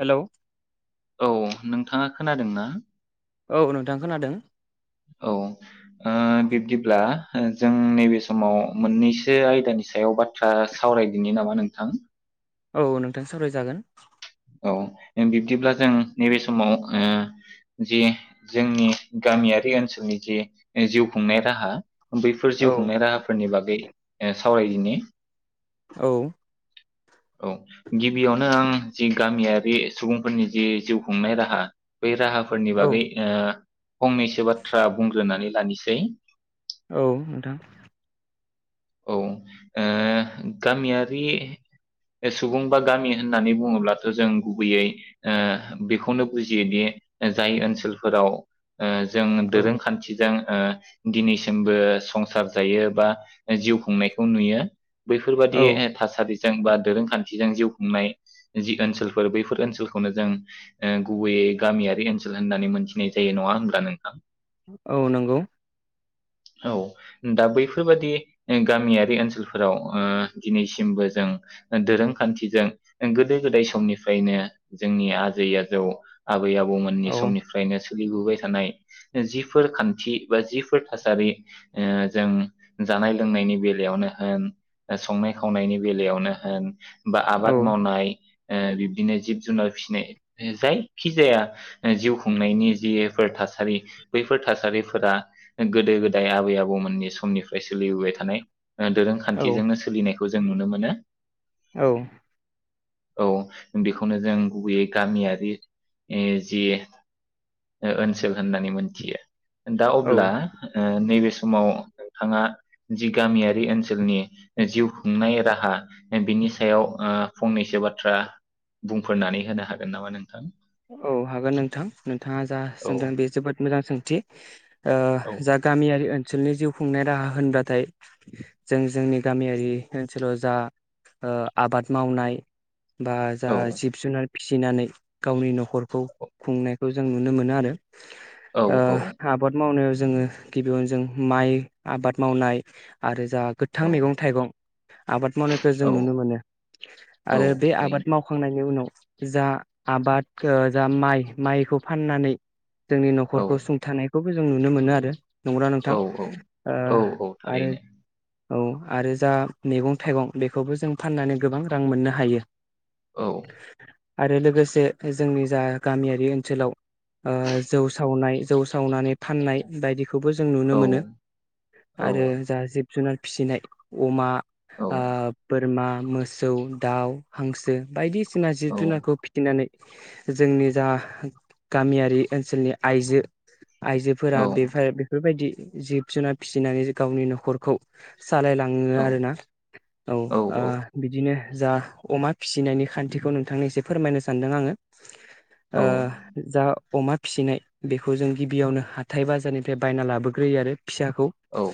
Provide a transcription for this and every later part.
Hello. औ नोंथाङा खोनादों ना। औ नोंथां खोनादों। औ ओ-बिबदिब्ला। जों नैबे समाव मोननैसो आयदानि सायाव बाथ्रा सावरायदिनो नामा नोंथां। औ नोंथां सावरायजागोन। औ बिब्दिब्ला जों नैबे समाव जि जोंनि गामियारि ओनसोलनि जि जिउ खुंनाय राहा बैफोर औ जिउ खुंनाय राहाफोरनि बागै। [unintelligible] सावरायदिनि। औ। औ गिबियावनो आं जि गामियारि सुबुंफोरनि जि जिउ खुंनाय राहा बै राहा फोरनि औ बागै ओ फंनैसो बाथ्रा बुंग्रोनानै लानोसै। औ नोंथां। औ ओ गामियारि सुबुं बा गामि होननानै बुङोब्लाथ' जों गुबैयै ओ बेखौनो बुजियोदि जाय ओनसोलफोराव ओ जों औ दोरोंखान्थिजों ओ दिनैसिमबो संसार जायो बा जिउ खुंनायखौ नुयो। बैफोरबादि औ ए थासारि जों बा दोरोंखान्थिजों जिउ खुंनाय जि ओनसोलफोर बैफोर ओनसोलखौनो जों ओ गुबैयै गामियारि ओनसोल होननानै मोनथिनाय जायो नङा होमब्ला नोंथां? औ नोंगौ। औ दा बैफोरबादि गामियारि ओनसोलफोराव ओ दिनैसिमबो जों दोरोंखान्थिजों गोदो गोदाय समनिफ्रायनो जोंनि आजै आजौ आ बै आबौमोननि औ समनिफ्रायनो सोलिबोबाय थानाय जिफोर खान्थि बा जिफोर थासारि ओ जों जानाय लोंनायनि बेलायावनो होन संनाय खावनायनि बेलायावनो होन बा औ आबाद मावनाय ओ बिब्दिनो जिब जुनार फिसिनाय जायखिजाया जिउ खुंनायनि जिफोर थासारि बैफोर थासारिफोरा गोदो गोदाय आबै आबौमोननि समनिफ्राय सोलिबोबाय थानाय। औ दोरोंखान्थिजोंनो सोलिनाय जों नुनो मोनो। औ औ बेखौनो जों गुबैयै गामियारि ओ जि ओनसोल होननानै मोनथियो। दा अब्ला औ ओ नैबे समाव नोंथाङा जि गामियारि ओनसोलनि जिउ खुंनाय राहा बिनि सायाव ओ फंनैसो बाथ्रा बुंफोरनानै होनो हागोन नामा नोंथां औ हागोन नोंथां नोंथाङा जा औ सोंदों बे जोबोद मोजां सों थि ओ औ जा गामियारि ओन सोलनि जिउ खुंनाय राहा होनबाथाय जों जोंनि गामियारि ओनसोलाव जा ओ आबाद मावनाय बा जा औ जिब जुनार फिसिनानै गावनि नखरखौ खुंनायखौ जों नुनो मोनो आरो। औ ओ आबाद मावनो- जोङो गिबियावनो जों माइ आबाद मावनाय आरो जा गोथां औ मैगं थाइगं आबाद मावनायखो जों औ नुनो मोनो औ आरो बे आबाद थारैनो मावखांनायनि उनाव जा आबाद ओ जा माइ माइखौ फाननानै जोंनि औ न'खरखौ सुंथानाय खौबो जों नुनो मोनो आरो। नंगौना नोंथां? औ औ ओ औ औ आरो थारैनो औ आरो जा मैगं थाइगं बेखौबो जों फाननानै गोबां रां मोननो हायो‌। औ आरो लोगोस जोंनि जा गामियारि ओनसोलाव ओ जौ सावनाय जौ सावनानै फाननाय बायदिखौबो जों औ नुनो मोनो आरो जा जि जुनार फिसिनाय अमा औ आ बोद बोरमा, मोसौ, दाउ, हांसो बायदि सिना औ जिब जुनारखौ फि नानै जोंनि जा गामियारि ओनसोलनि आइजो आइजोफोरा बेफोर बेफोरबायदि जिब जुनार फिसिनानै गावनि न'खरखौ सालायलाङो आरोना औ ओ बिदिनो जा अमा फिसिनायनि खान्थिखौ नोंथांनि एसे फोरमायनोसै सानदों आङो। औ ओ जा अमा फिसिनाय बेखौ जों गिबियावनो हाथाय बाजारनिफ्राय बायना लाबोग्रोयो आरो फिसाखौ औ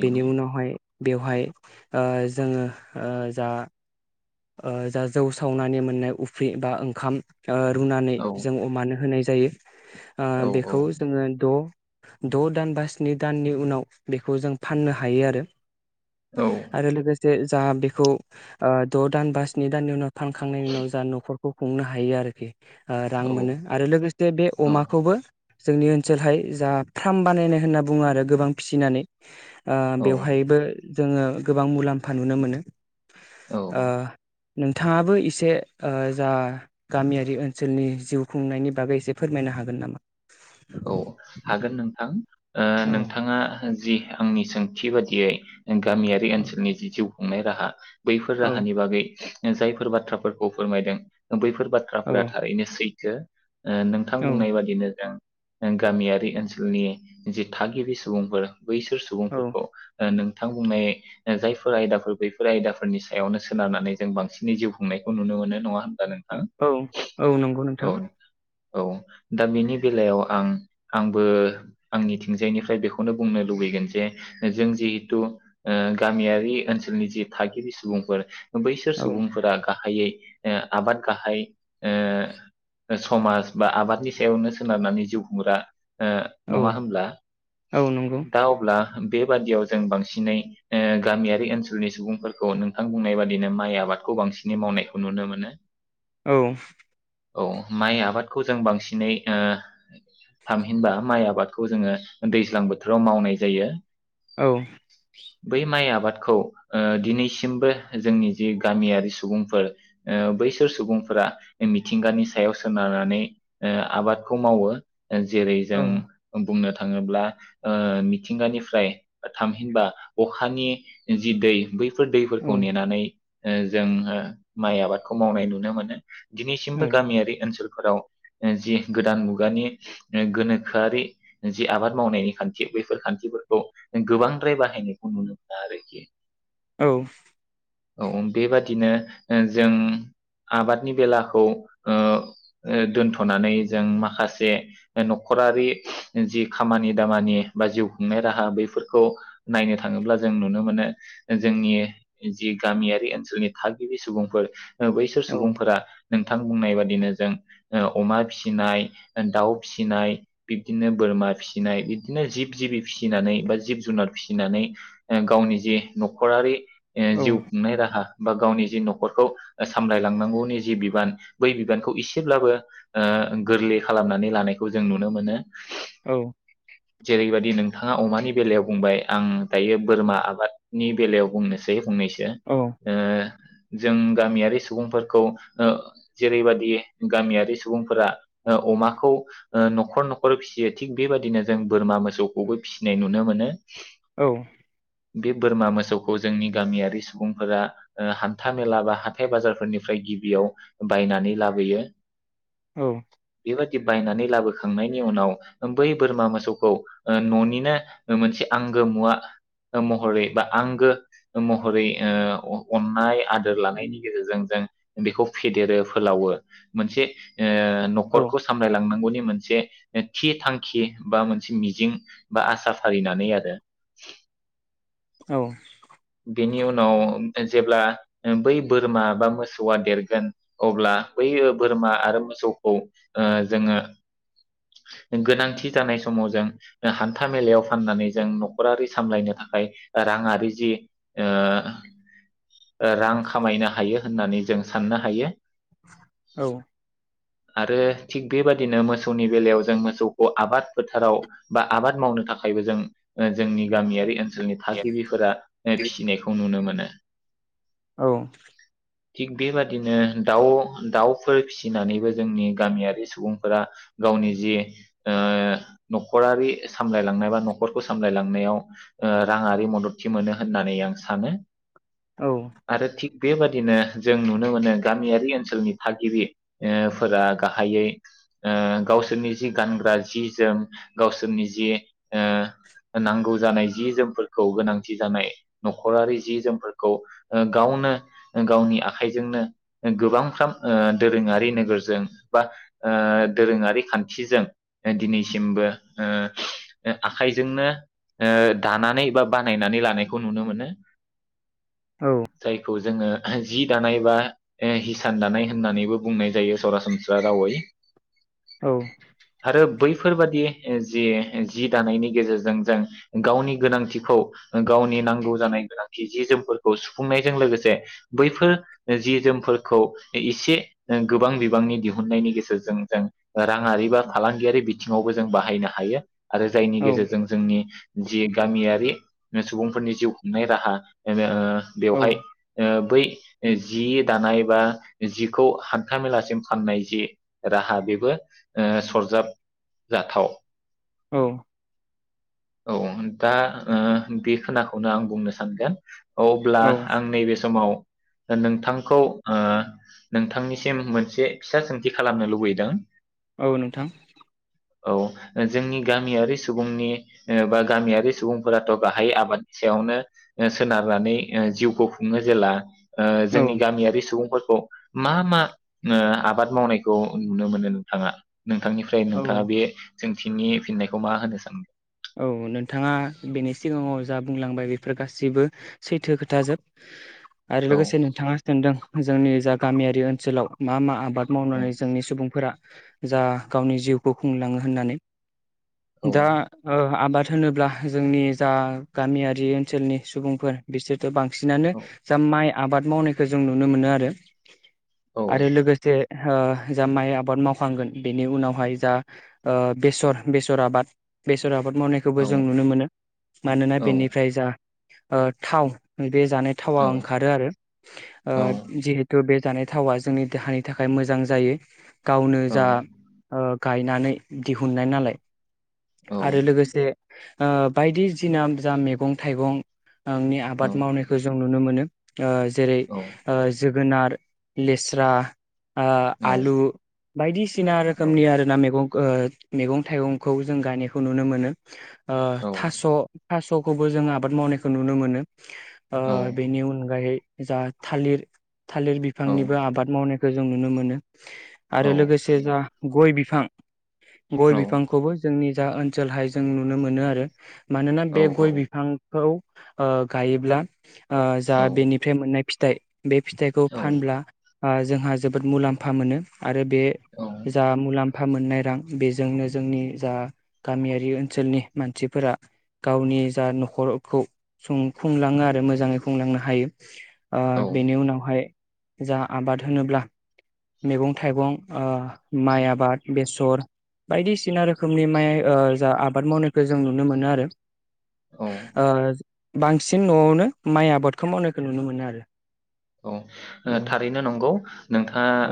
बेनि ओ उनावहाय बेवहाय ओ जोङो ओ जा ओ जा जौ सावनानै मोननाय उफ्रि बा ओंखाम ओ रुनानै औ जों अमानो होनाय जा जायो। आ औ औ बेखौ जोङो द' द' दान बा स्नि दाननि उनाव बेखौ जों फाननो हायो आरो। औ आरो लोगोस जे जाहा बेखौ ओ द' दान बा स्नि दाननि उनाव फानखांनायनि उनाव जा न'खर खौ खुंनो हायो आरोखि। ओ रां औ मोनो आरो लोगोसे बे औ अमाखौबो जोंनि ओनसोलहाय जा फ्रार्म बानायनाय होनना बुङो आरो गोबां फिसिनानै ओ बेवहायबो जोङो गोबां मुलाम्फा नुनो मोनो। औ। ओ औ नोंथाङाबो एसे ओ जा गामियारि ओनसोलनि जिउ खुंनायनि बागै एसे फोरमायनो हागोन नामा? औ हागोन नोंथां। ओ औ नोंथाङा जि आंनि सोंथि बादियै गामियारि औ ओनसोलनि जि जिउ खुंनाय राहा बैफोर औ राहानि बागै जायफोर बाथ्राफोरखौ फोरमायदों बैफोर औ बाथ्राफोरा थारैनो सै थो। ओ नोंथां औ बुंनाय बादिनो दा गामियारि ओनसोलनि जि थागिबि सुबुंफोर बैसोर औ सुबुंफोरखौ ओ नों नोंथां बुंनाय जायफोर आयदाफोर बैफोर आयदाफोरनि सायावनो सोनारनानै जों बांसिनै जिउ खुंनायखौ नुनो मोनो नङा होन औ औ नंगौ नोंथां। औ दा बेनि बेलायाव आं आंबो आंनि थिंजायनिफ्राय बेखौनो बुंनो लुबैगोन जे जों जेहेथु गामियारि ओनसोलनि जि थागिबि सुबुंफोर बैसोर औ सुबुंफोरा गाह हायै ओ आबाद गाहाय ओ समाज बा आबादनि सायावनो सोनारनानै जिउ खुंग्रा। ओ नङा औ होमब्ला औ नंगौ दा अब्ला बेबादियाव जों बांसिनै ओ गामियारि ओनसोलनि सुबुंफोरखौ नोंथां बुंनाय बादिनो माइ आबादखौ बांसिनै मावनायखौ नुनो मोनो। औ। औ माइ आबादखौ जों बांसिनै ओ थामहिनबा माइ आबादखौ जोङो दैज्लां बोथोराव मावनाय जायो। औ बै माइ आबाद खौ दिनैसिमबो जोंनि जि गामियारि सुबुंफोर ओ बैसोर सुबुंफोरा मिथिंगानि सायाव सोनारनानै ओ आबादखौ मावो। जेरै औ जों बुंनो थां थाङोब्ला ओ मिथिंगानिफ्राय थामहिनबा अखानि जि दै बै बैफोर दैफोरखौ नेनानै ओ जों हो औ दिनैसिमबो गामियारि ओनसोल फोराव जि गोदान मुगानि। गोनोखोआरि जि आबाद मावनायनि खान्थि बैफोर खान्थिफोरखौ गोबांद्राय बाहायनायखौ नुनो मोना आरोखि। औ औ बेबादिनो ओ जों आबादनि बेलाखौ ओ दोनथनानै जों माखासे न'खरारि जि खामानि दामानि बा जिउ खुंनाय राहा बैफोरखौ नायनो थाङोब्ला जों नुनो मोनो जोंनि जि गामियारि ओनसोलनि थागिबि सुबुंफोर बैसोर औ सुबुंफोरा नोंथां बुंनाय बादिनो जों ओ अमा फिसिनाय ओ दाउ फिसिनाय बिब्दिनो बोरमा फिसिनाय बिबदिनो जिब जिबि फिसिनानै बा जिब जुनार फिसिनानै ओ गावनि जे न'खरारि ओ जिउ खुंनाय राहा बा गावनि जि न'खरखौ सामलायलांनांगौनि जि बिबान बै बिबानखौ एसेब्लाबो ओ गोरलै खालामनानै लानाय खौ जों नुनो मोनो। औ जेरैबायदि नोंथाङा अमानि बेलायाव बुंबाय आं दायो बोरमा आबाद नि बेलायाव बुंनोसै फंनैसो जों गामियारि सुबुंफोरखौ जेरैबादि गामियारि सुबुंफोरा अमाखौ ओ न'खर न'खर फिसियो थिग बेबदिनो जों बोरमा मोसौखौबो फिसिनाय नुनो मोनो। औ बे बोरमा मोसौखौ जोंनि गामियारि सुबुंफोरा ओ हान्थामेला बा हाथाय बाजारफोरनिफ्राय गिबियाव बायनानै लाबोयो। औ दि बायनानै लाबोखांनायनि उनाव बै बोरमा मोसौखौ ओ न'निनो मोनसे आंगो मुवा महरै बा आंगो महरै ओ अननाय आदोर लानायनि गेजेरजों जों बेखौ फेदेरो फोलावो मोनसे ओ औ न'खरखौ सामलायलांनांगौ मोनसे थि थांखि बा मोनसे मिजिं बा आसा फारिनानै आरो औ बेनि उनाव जेब्ला बै बोरमा बा मोसौआ देरगोन अब्ला बै बोरमा आरो मोसौखौ ओ जोङो गोनांथि जानाय समाव जों हान्था मेलायाव फाननानै जों न'खरारि सामलायनो थाखाय राङारि जि ओ ओ रां खामायनो हायो होननानै जों साननो हायो। आरो थिग बेबादिनो मोसौनि बेलायाव जों मोसौखौ आबाद फोथाराव बा आबाद मावनो थाखायबो जों जोंनि गामियारि ओन सोलनि थागिबिफोरा फिसिनायखौ नुनो मोनो औ थिग बेबादिनो दाउ दाउफोर फिसिनानैबो जोंनि गामियारि सुबुंफोरा गावनि जि ओ न'खरारि सामलायलांनाय बा न'खरखौ सामलायलांनायाव ओ राङारि मददथि मोनो होननानै आं सानो आरो थिग बेबादिनो जों नुनो मोनो गामियारि ओनसोलनि थागिबिफोरा गाहायै ओ गावसोरनि जि गानग्रा जि जोम गावसोरनि जि ओ नांगौ जानाय जि जोमफोरखौ गोनांथि जानाय न'खरारि जि जोमफोरखौ गावनो गावनि आखाइजोंनो गोबांफ्राम दोरोङारि नोगोरजों बा ओ दोरोङारि खान्थिजों दिनैसिमबो ओ आखाइजोंनो दानानै बा बानायनानै लानायखौ खौ नुनो मोनो जायखौ जोङो जि दानाय बा हिसान दानाय होननानैबो बुंनाय जायो सरासनस्रा रावै औ। बेफोरबायदि जि जि दानायनि गेजेरजों जों गावनि गोनांथिखौ गावनि नांगौ जानाय गोनांथि जि जोमफोरखौ सुफुंनायजों लोगोसे बैफोर जि जोमफोरखौ एसे गोबां बिबांनि दिहुननायनि गेजेरजों जों राङारि बा फालांगियारि बिथिङावबो जों बाहायनो हायो। आरो जायनि गेजेरजों जोंनि जि गामियारि सुबुंफोरनि जिउ खुंनाय राहा बिदिनो ओ बेवहाय ओ बै जि दानाय बा जिखौ हान्थाामेलासिम फाननाय जि राहा बेबो ओ सरजाबजाथाव। औ। औ दा ओ बे खोनाखौ खौनो आं बुंनो सानगोन अब्ला आं नैबे समाव नोंथांखौ ओ नोंथांनिसिम मोनसे फिसा सोंथि खालामनो लुबैदों। औ नोंथां। औ जोंनि गामियारि सुबुंनि बा गामियारि सुबुंफोराथ' गाहाइ आबाद सायावनो सोनारनानै जिउखौ खुङो जेला ओ औ जोंनि गामियारि सुबुंफोर खौ मा मा ओ आबाद मावनायखौ नुनो मोनो नोंथाङा? नोंथांनिफ्राय औ नोंथाङा बे सोंथिनि फिननायखौ मा होनो सानो? औ नोंथाङा बेनि सिगाङाव जा बुंलांबाय बेफोर गासिबो सैथो खोथाजोब। आरो औ लोगोसे नोंथाङा सोंदों जोंनि जा गामियारि ओनसोलाव मा मा आबाद औ मावनानै जोंनि सुबुंफोरा जा गावनि जिउखौ खुंलाङो होननानै औ दा ओ आबाद होनोब्ला जोंनि जा गामियारि ओनसोलनि सुबुंफोर बिसोरथ' बां बांसिनानो औ जा माइ आबाद मावनायखौ जों नुनो मोनो आरो। औ आरो लोगोसे ओ जा माइ आबाद मावखांगोन बेनि उनावहाय जा ओ बेसर बेसर आबाद बे सर आबाद औ मावनायखौबो जों नुनो मोनो मानोना औ बेनिफ्राय जा ओ थाव बे जानाय थावा औ ओंखारो आरो ओ जिहेथु बे जानाय थावा जोंनि देहानि थाखाय मोजां जायो। गावनो औ जा ओ गायनानै दिहुननाय नालाय। औ आरो लोगोसे ओ बायदि जिना जा मैगं थाइगं नि आबाद मावनायखौ जों नुनो मोनो। ओ जेरै ओ जो गोनार लेस्रा आ आलु बायदिस सिना रोखोमनि आरोना मेगं ओ मेगं थाइगंखौ जों गायनायखौ नुनो मोनो। ओ थास' थास'खौबो जों आबाद मावनायखौ नुनो मोनो। ओ बेनि अनगायै जा थालिर थालिर बिफांनिबो आबाद मावनाय खौ जों नुनो मोनो। आरो लोगोसे जा गय बि फां गय बिफांखौबो जोंनि जा ओनसोलहाय जों नुनो मोनो आरो मानोना बे गय बिफां खौ ओ गायोब्ला ओ जा बेनिफ्राय मोननाय फिथाइ बे फिथाइखौ फानब्ला ओ जोंहा जोबोद मुलाम्फा मोनो आरो बे जा मुलाम्फा मोननाय रां बेजोंनो जोंनि जा गामियारि ओनसोलनि मानसिफोरा गावनि जा न'खरखौ सुं खुंलाङो आरो मोजाङै खुंलांनो हायो। ओ औ बेनि उनावहाय जा आबाद होनोब्ला मेगं थाइगं ओ माइ आबाद बेसर बायदिसिना रोखोमनि माइ ओ जा आबाद मावनायखौ जों नुनो मोनो आरो आ बांसिन न'आवनो माइ आबादखौ मावनायखौ नुनो मोनो आरो औ थारैनो नंगौ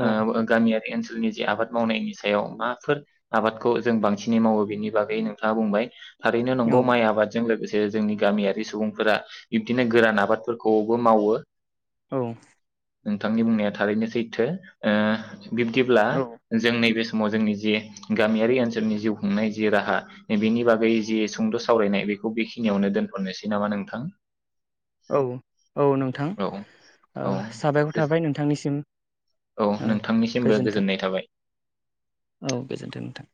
औ ओ गामिया ओनसोलनि जे आबाद मावनायनि सायाव माफोर आबादखौ जों बांसिनै मावो बेनि बागै नोंथाङा बुंबाय थारैनो औ नंगौ माइ आबादजों लोगोसे जे जोंनि गामियारि सुबुंफोरा बिब्दिनो गोरान आबादफोरखौबो मावो औ नोंथांनि बुंनाया थारैनो सैथो ओ बिब्दिब्ला औ जों नैबे समाव जोंनि जि गामियारि ओनसोलनि जिउ खुंनाय जि राहा बेनि बागै जि सुंद' सावरायनाय बेखौ बेखिनियावनो दोनथ'नोसै नामा नोंथां? औ औ नोंथां। औ ओ औ साबायखर थाबाय नोंथांनिसिम। उम औ नोंथांनिसिमबो गोजोननाय थाबाय। औ गोजोन्थों नोंथां।